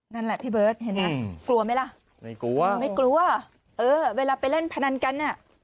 นั้นแหละพี่เบิร์ตเห็นไหมโกรธไหมล่ะไม่กลัวเวลาไปเล่นพนันกันน่ะ